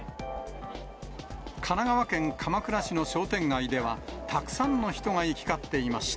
神奈川県鎌倉市の商店街では、たくさんの人が行き交っていました。